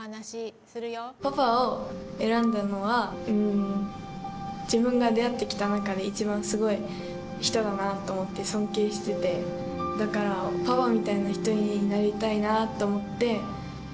パパを選んだのはうん自分が出会ってきた中で一番すごい人だなって思って尊敬しててだからパパみたいな人になりたいなと思って。